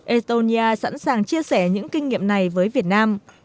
estonia sẵn sàng chia sẻ những kinh nghiệm này với việt nam